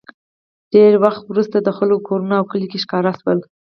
ډېر وخت وروسته د خلکو کورونه او کلي ښکاره شول